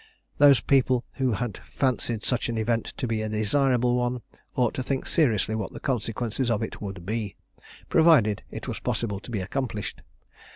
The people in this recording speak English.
Those people who had fancied such an event to be a desirable one ought to think seriously what the consequences of it would be, provided it was possible to be accomplished.